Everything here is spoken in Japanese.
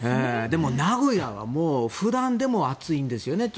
でも名古屋は普段でも暑いんですよね。